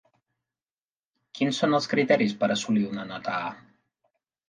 Quins són els criteris per assolir una nota A?